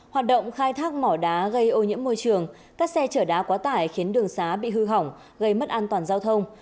hoạt động khai thác mỏ đá gây ô nhiễm môi trường các xe chở đá quá tải khiến đường xá bị hư hỏng gây mất an toàn giao thông